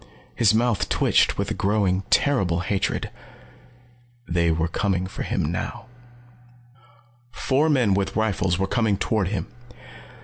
His mouth twitched with a growing terrible hatred. They were coming for him now. Four men with rifles were coming toward him.